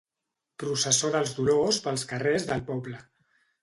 Processó dels Dolors pels carrers del poble.